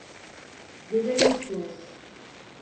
Delirmişsiniz.